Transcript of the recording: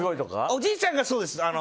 おじいちゃんが、そうです。